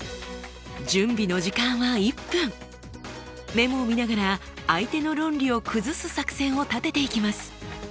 メモを見ながら相手の論理を崩す作戦を立てていきます。